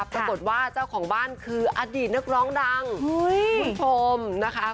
ปรากฏว่าเจ้าของบ้านคืออดีตนักร้องดังคุณผู้ชมนะคะ